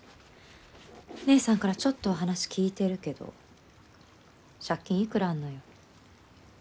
姉さんからちょっとは話聞いてるけど借金いくらあんのよ？